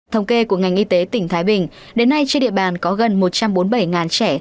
thống kê của ngành y tế tỉnh thái bình đến nay trên địa bàn có gần một trăm bốn mươi bảy trẻ